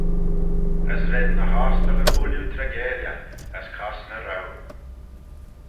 As ren ny ostyllyn ooilley treigeil eh as cosney roue.